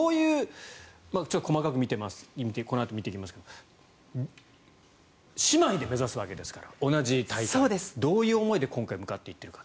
細かくこのあと見ていきますが姉妹で目指すわけですから同じ大会。どういう思いで今回向かっていっているかと。